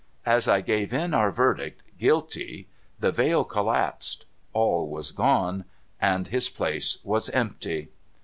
As I gave in our verdict, ' Guilty,' the veil collapsed, all was gone, and his place was empty.